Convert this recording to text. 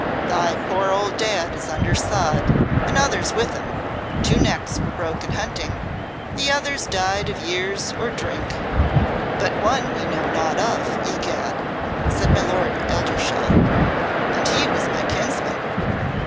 "Thy poor old Dad is under sod, and others with him. Two necks were broke in hunting, the others died of years or drink." "But one we know naught of, egad!" said my Lord Eldershawe, "and he was my kinsman."